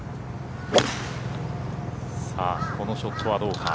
このショットはどうか。